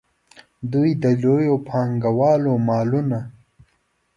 دوی د لویو پانګوالو مالونه.